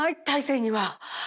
大生には。